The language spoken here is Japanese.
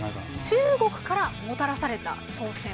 中国からもたらされた宋銭。